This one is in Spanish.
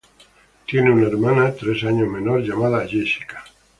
Tiene una hermana tres años menor llamada Jessica.